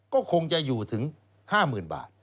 ก็คงจะอยู่ถึง๕๐๐๐บาท